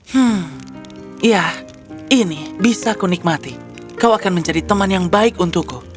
hmm ya ini bisa kunikmati kau akan menjadi teman yang baik untukku